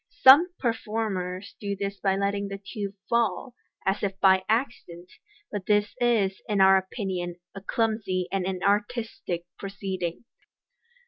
Some performers do this by letting the tube fall, as if by accident, but this is, in our opinion, a clumsy and inartistic proceeding.